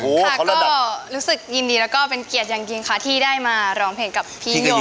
ค่ะก็รู้สึกยินดีและเป็นเกียจอย่างกินขาดที่ได้มาร้องเพจกับพี่โน้ม